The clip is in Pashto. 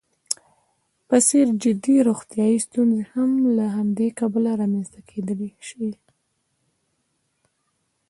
په څېر جدي روغیتايي ستونزې هم له همدې کبله رامنځته کېدلی شي.